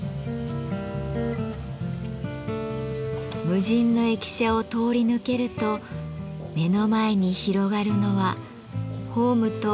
無人の駅舎を通り抜けると目の前に広がるのはホームと真っ青な海。